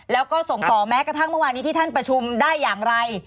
แล้วก็ส่งต่อแม้กระทั่งเมื่อวานนี้ที่ท่านประชุมได้อย่างไร